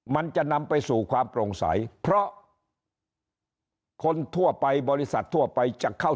มันจะนำไปสู่ความโปร่งใสเพราะคนทั่วไปบริษัททั่วไปจะเข้า